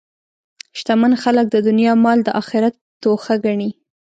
شتمن خلک د دنیا مال د آخرت توښه ګڼي.